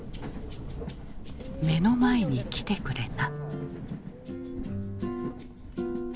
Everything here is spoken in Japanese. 目の前に来てくれた。